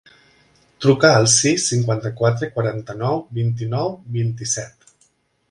Truca al sis, cinquanta-quatre, quaranta-nou, vint-i-nou, vint-i-set.